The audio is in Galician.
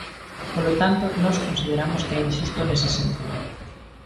Polo tanto, nós consideramos que é inxusto nese sentido.